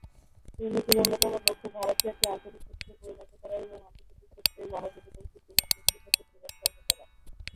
এই নীতির অন্যতম লক্ষ্য ভারতকে একটি আঞ্চলিক শক্তিতে পরিণত করা এবং আন্তর্জাতিক ক্ষেত্রে গণপ্রজাতন্ত্রী চীনের কৌশলগত প্রভাব খর্ব করা।